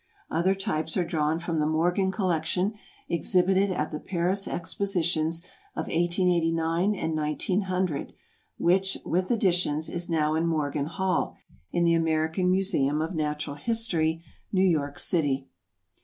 Other types are drawn from the Morgan Collection exhibited at the Paris Expositions of 1889 and 1900, which, with additions, is now in Morgan Hall, in the American Museum of Natural History, New York City.